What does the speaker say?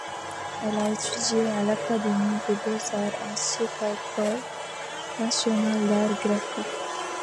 Elle a étudié à l'Académie des beaux-arts ainsi qu'à l'École nationale d'arts graphiques.